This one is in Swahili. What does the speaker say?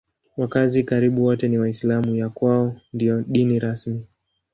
Wakazi karibu wote ni Waislamu; ya kwao ndiyo dini rasmi.